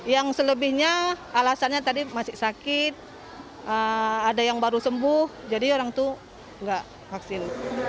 yang selebihnya alasannya tadi masih sakit ada yang baru sembuh jadi orang itu nggak vaksin